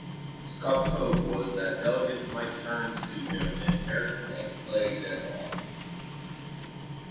Scott's hope was that delegates might turn to him if Harrison and Clay deadlocked.